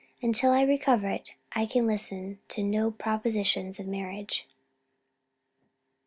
Until I recover it, I can listen to no propositions of marriage."